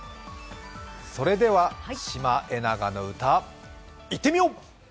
それでは「シマエナガの歌」、いってみよう！